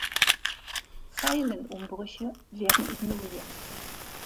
Zeilenumbrüche werden ignoriert.